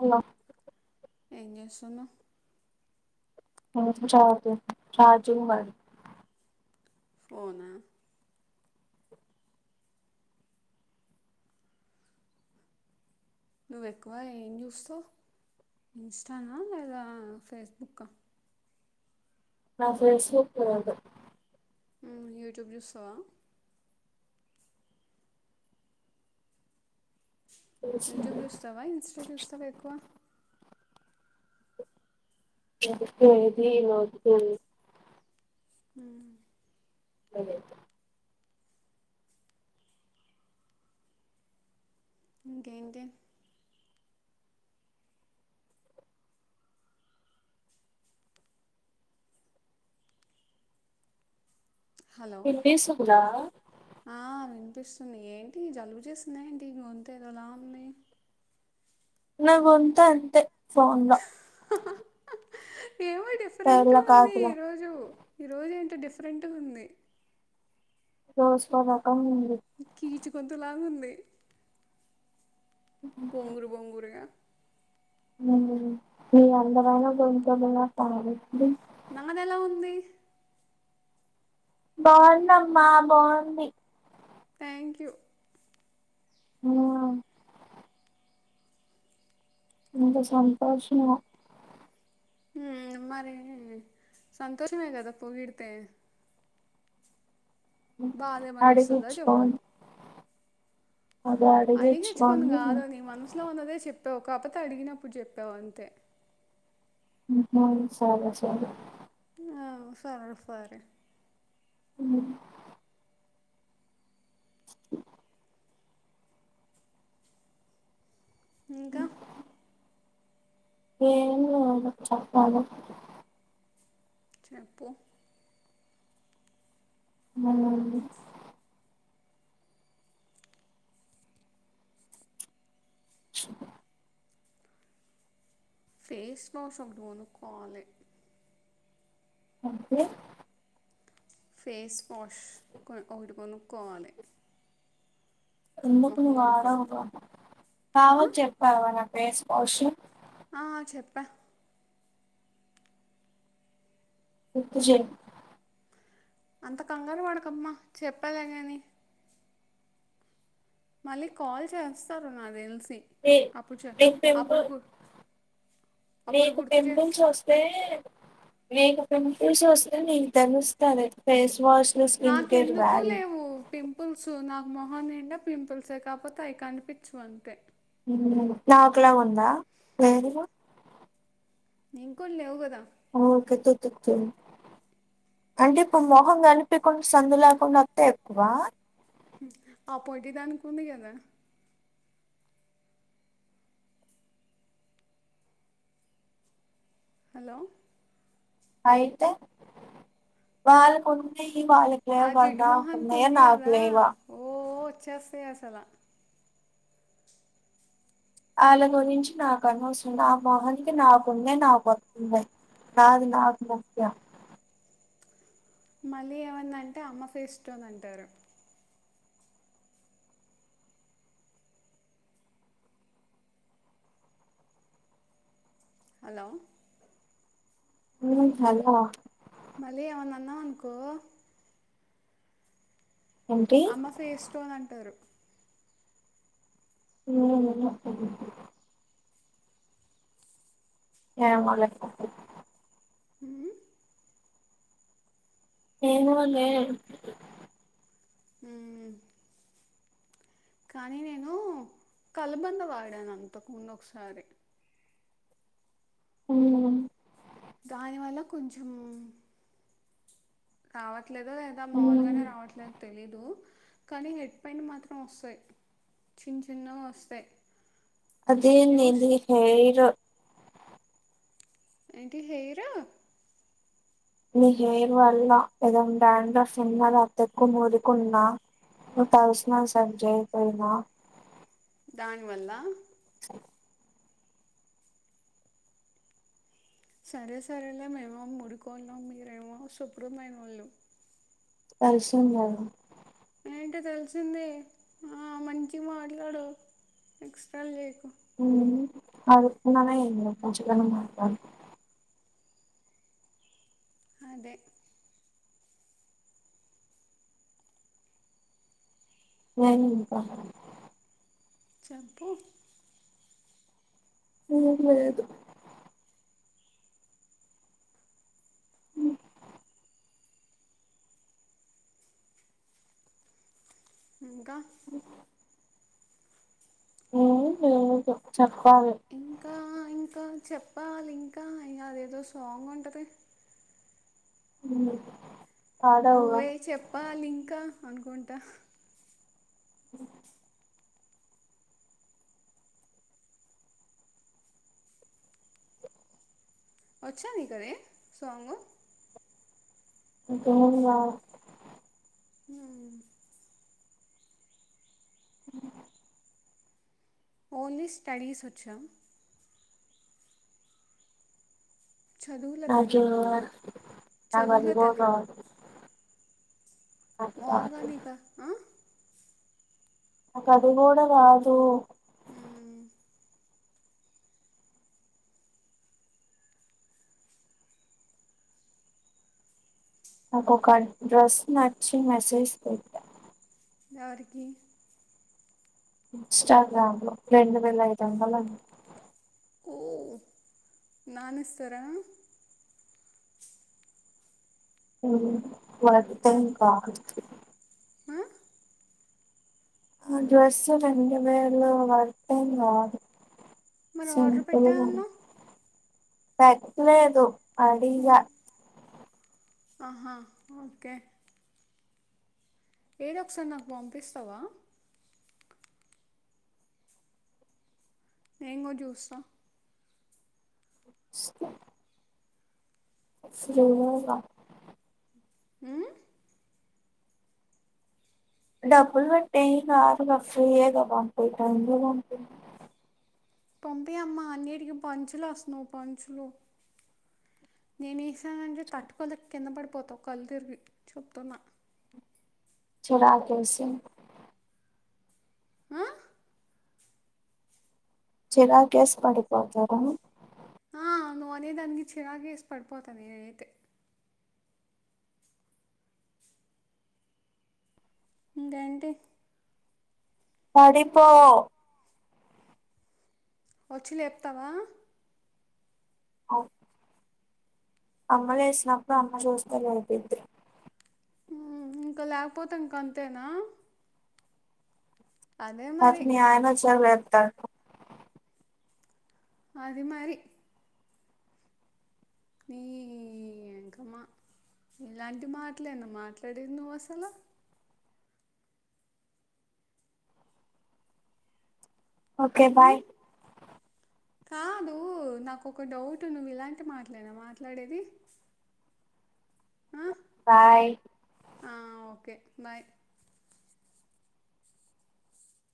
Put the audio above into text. Hello ఎం చేస్తున్నావ్ చరీర్జుంగ్ మ ఫోనా నువ్ ఎక్కువ ఏం చూస్తవ్ ఇన్స్టానా లేదా ఫేస్బుక్ నా ఫేస్బుక్ లేదు ఉమ్ యూట్యూబ్ చూస్తావా యూట్యూబ్ చూస్తావా ఇన్స్టా చూస్తావా ఎక్కువ ఎక్కువ ఏది వద్దు ఉ లేతే ఇంకేంటి హలో పినిసున ఆ వినిపిస్తుంది ఏంటి జలుబు చేసిందా ఏంటి గొంత ఏదోలా ఉంది నా గొంతు అంతే ఫోన్ లో ఏమో డిఫరెంట్ పేర్ల ఉంది కాకుల ఈ రోజు ఈ రోజు ఏంటో డిఫరెంట్ ఉంది రోజుకో రకం ఉంది గుంతలా ఉంది బొంగురు బొంగురుగా మీ అందరైనా గొంతులా కాదు నాది ఎలా ఉంది బాగుందమ్మా బాగుంది థ్యాంక్ యూ ఉహు ఎంత సంతోషమో ఉమ్ మరి సంతోషమే కదా పోగిడితే ఏమన్నా వస్తుందా చెప్పు అడిగించుకుని అది అడిగించుకుని ఇట్లో ఉన్నదే చెప్పావు కాకపోతే అడిగినప్పుడు చెప్పావు అంతే ఉమ్ సరే సరే ఆ సరే సరే ఉ ష ఇంకా ఏందో చెప్పాలి చెప్పు ఆ శుక ఫేస్ వాష్ ఒకటి కొనుక్కోవాలి ఏంటి ఫేస్ వాష్ ఒకటి కొనుక్కకోవాలి ఎందుకు నువ్వు వాడవుగా ఆ? బావకి చెప్పావా నా పేస్ వాష్ ఆ చెప్పే గుర్తు చెయ్ అంత కంగారు పడకు అమ్మ చెప్పాలే గాని మళ్ళీ కాల్ చేస్తారు నాకు తెలిసి నీ అప్పుడుచ నీకు అప్పుడు పింపుల్ అప్పుడు నీకు గుర్తు పింపుల్స్ చేస్తా వస్తే నీకు పింపుల్స్ వస్తే నీకు తెలుస్తాదీ నాకెందుకు లేవు పింపుల్స్ సో నాకు మొహం నిండా పింపుల్సే కాకపోతే అవి కనిపించవు అంతే నాక్ల ఉందా నింకూడా లేవుకదా ఓకె తు తు తు అంటే ఇప్పుడు మొహం కనిపకుండా సందు లేకుండా వత్తా ఎక్కువ ఆపోటి దానికికుంది కదా హలో ఐతు వాళ్ళకుంది ఆ వాళ్లకేలేవా వంద జిడ్డు మొహానికి అంటంది ఎ నాక్ లెవా వచ్చేస్తే అసలా వాళ్ళ గురించి నాకు అనవసరం నా మోహానికి నాకు ఉన్నాయ్ నా కోతంది నాది నాకు ముఖ్యం మళ్ళీ ఏమైనాటే అమ్మ ఫేసు్టోన్ అంటారు హలో ఉ హలో మళ్ళీ ఏమన్నా అన్నాం అనుకో ఏంటి అమ్మ ఫేస్ స్టోన్ అంటారు హ్మ్ [unintelligible] ఏమోలే ఊహ్మ్మ్ ఏమోలే అ కానీ నేను కలబంద వాడాను అంతకు ముందు ఒకసారి అ దాని వల్ల కొంచం రావట్లేదు లేదా హ్మ్ మాములుగానే రావట్లేదు తెలీదు కానీ హెడ్ పెయింట్ మాత్రం వస్తాయి చిన్న చిన్నగా వస్తాయి అదే యూస్ దేంతో చెప్తాను ఎరో ఏంటి హైరు నీ హెయిర్ వల్ల ఏదన్నా డండ్రాఫ్ ఉన్న అతెక్కు మురుకున్నా నువ్ తల్కిసానం సరిగా చేయకపోయిన దాని వల్ల సరే సరేలేమేమో మురికొల్లం మీరేమో శుభ్రమైన వాళ్ళు తెల్సింద్కదా ఏంటే తెలిసింది మంచిగ మాట్లాడు ఎక్స్ట్రాలు లేయకు హ్మ్ అదిన్న ఏ మంచిగానే మాట్లాడతానా అదే ఏందింక్క చెప్పు ఏం లేదు ఇంకా అ ఏమి లేదు చెప్పాలి ఇంకా ఇంకా చెప్పాల ఇంకా ఇం అదేదో సాంగ్ ఉంటుంది అ నువ్వే చెప్పాలి ఇంకా అనుకుంటా ఉ వచ్చా నీకు అది సాంగ్ ఇంకేం గా అ ఉ ఓన్లీ స్టడీస్ వచ్చాం చదువుల నాకు తల్లివా నువ్వు, నాకు చదువుల అది కూడా తల్లివా? రాదు నాకు ఓన్ గా రాదు నీకా అ నా కది కూడా రాదు. ఆ నాకు ఒక డ్రస్ నచ్చి మెసేజ్ పెట్టా ఏడికీ ఇన్స్టాగ్రామ్ లో రెండు వేల ఐదు వందలండి. ఓ నానేస్తారా మ్ ఆ? వత్తం కాదిప్పుడు ఆ ఆ డ్రెస్సు రెండ వేలు వత్తాం రాదు మరి ఆర్డర్ పెట్టా సంపలుగా అన్నావు తట్లేదు అడిగా ఆహా ఓకే ఏద ఒకసారి నాకు పంపిస్తావా? ఎంగో చూస్తా స్క శ్రీమోలా అ డబ్బులు పెట్టే ఏం కాదుగా ఫ్రీ ఎగా రఫ ఏద బయి టై పంపి అమ్మ అన్నిటికి పంచులు వస్తున్నావు పంచులు నేనే ఏసానంటే తట్టుకోల కింద పడిపోతావు కళ్ళ తిరిగి చెప్తున్నా చలాకిసిన్ ఆ చిరా కేేస్ పడిపోతారు. ఆ నువ్వు అనే దానికి చిరాకేసి పడిపోతాది నేనయితే ఇంకెంటి పడిపోవు వచ్చి లేపుతావా? అవ్ అమ్మలే వేసినప్పుడు అమ్మ చూస్తే లేపింది. ఇంకా లేకపోతే ఇంకా అంతేనా అదే మరి చాలెత్తంది అది మరి నే ఇంక మా ఇలాంటి మాటలేనా మాట్లాడేది నువ్వు అసలు ఓకే ఉమ్? బాయ్. కాదు. నాకు ఒక డౌట్ నువ్వు ఇలాంటి మాట్లేనా మాట్లాడేది. ఆహ్. బాయ్. ఆహ్ ఓకే బాయ్.